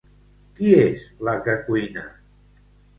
Qui és la que cuina?